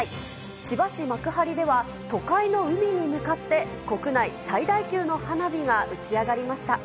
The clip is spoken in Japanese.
千葉市幕張では、都会の海に向かって、国内最大級の花火が打ち上がりました。